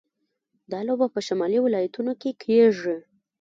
دا لوبه په شمالي ولایتونو کې کیږي.